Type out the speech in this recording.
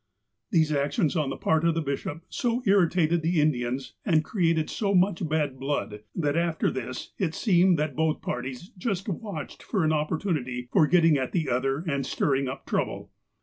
These actions on the part of the bishop so irritated the Indians, and created so much bad blood, that after this it seemed that both parties just watched for an opportunity for getting at the other and stirring up trouble.